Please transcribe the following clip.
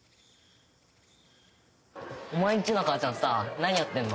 お前んちの母ちゃんさ何やってんの？